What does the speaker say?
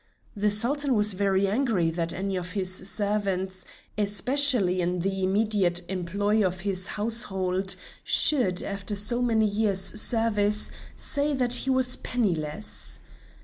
The Sultan was very angry that any of his servants, especially in the immediate employ of his household, should, after so many years' service, say that he was penniless.